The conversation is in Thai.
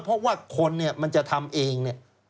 เพราะว่าคนมันจะทำเอง